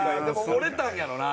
折れたんやろうな。